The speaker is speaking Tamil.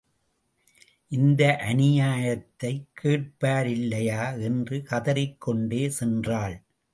இந்த அநியாயத்தைக் கேட்போரில்லையா? என்று கதறிக் கொண்டே சென்றாள்.